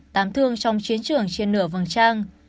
tám thương trong chiến trường trên nửa vòng trang